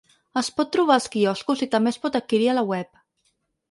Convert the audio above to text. Es pot trobar als quioscs i també es pot adquirir a la web.